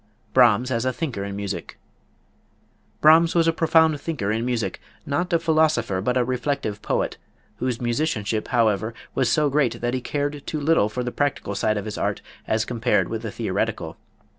Brahms a Thinker in Music. Brahms was a profound thinker in music not a philosopher, but a reflective poet, whose musicianship, however, was so great that he cared too little for the practical side of his art as compared with the theoretical.